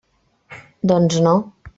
Doncs, no.